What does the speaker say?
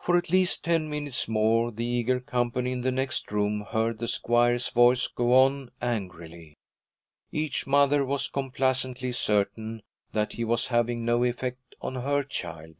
For at least ten minutes more the eager company in the next room heard the squire's voice go on angrily. Each mother was complacently certain that he was having no effect on her child.